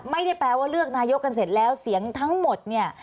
ไม่ได้แปลว่าเลือกนายกกันเสร็จแล้วเสียงทั้งหมดเนี่ย